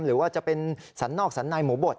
หรือว่าจะเป็นสรรนอกสันในหมูบด